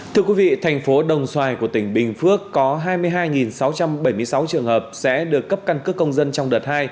thưa quý vị thành phố đồng xoài của tỉnh bình phước có hai mươi hai sáu trăm bảy mươi sáu trường hợp sẽ được cấp căn cước công dân trong đợt hai